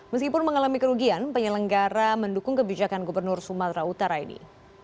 meskipun mengalami kerugian penyelenggara mendukung kebijakan gubernur sumatera utara ini